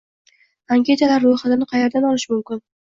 anketalar ro‘yxatini qayerdan olish mumkin?